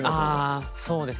ああそうですね。